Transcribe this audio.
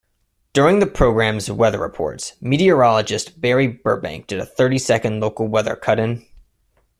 During the program's weather reports, meteorologist Barry Burbank did a thirty-second local weather cut-in.